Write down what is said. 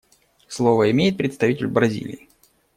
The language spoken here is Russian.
Слово имеет представитель Бразилии.